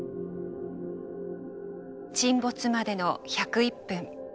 沈没までの１０１分。